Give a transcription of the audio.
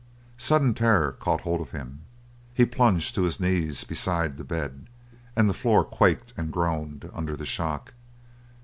Sudden terror caught hold of him. He plunged to his knees beside the bed, and the floor quaked and groaned under the shock.